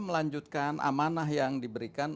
melanjutkan amanah yang diberikan